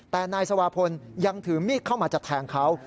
แต่นายสวาพลยังถือมีดเข้ามาจะแทงเขา